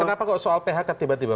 kenapa kok soal phk tiba tiba